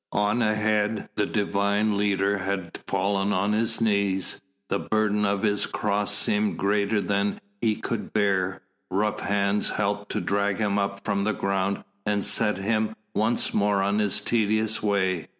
On ahead the Divine Leader had fallen on his knees: the burden of His Cross seemed greater than He could bear. Rough hands helped to drag him up from the ground and set Him once more on His tedious way.